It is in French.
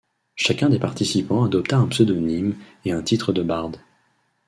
Chacun des participants adopta un pseudonyme et un titre de barde.